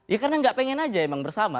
ya karena nggak pengen aja emang bersama